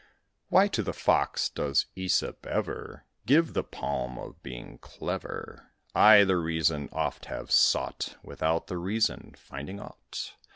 Why to the Fox does Æsop ever Give the palm of being clever? I the reason oft have sought, Without of reason finding aught.